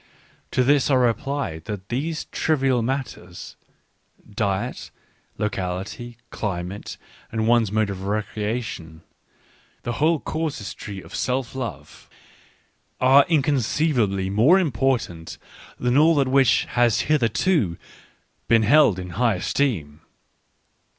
To this I reply that these trivial matters — diet, locality, climate, and one's mode of recreation, the whole casuistry of; self love — are inconceivably more important than all that which has hitherto been held in high esteem!